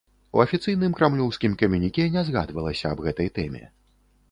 У афіцыйным крамлёўскім камюніке не згадвалася аб гэтай тэме.